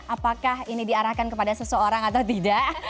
apakah ini diarahkan kepada seseorang atau tidak